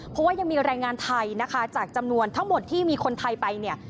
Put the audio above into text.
เพราะว่ายังมีแรงงานไทยนะคะจากจำนวนทั้งหมดที่มีคนไทยไปเนี่ย